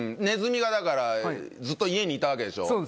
ネズミがだからずっと家にいたわけでしょ？